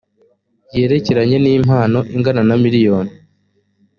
yerekeranye n impano ingana na miliyoni